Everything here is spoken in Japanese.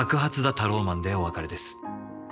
タローマン」でお別れです。